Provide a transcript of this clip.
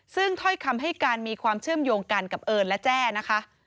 ซึ่งถ้อยคำให้การมีความเชื่อมโยงกันกับเอิญและแจ้นะคะ